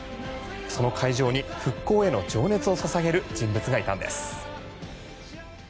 その会場に復興への情熱をささげる人物がいたんです。